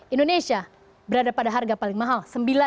indonesia berada pada harga paling mahal